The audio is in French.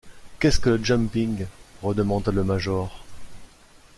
Qu’est-ce que le jumping? redemanda le major.